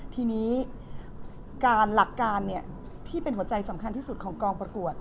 ทีนี้การหลักการที่เป็นหัวใจสำคัญที่สุดของกองประกวด